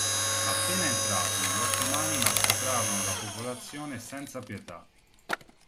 Appena entrati gli ottomani massacrarono la popolazione senza pietà.